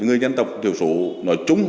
người nhân tộc thiểu số nói chung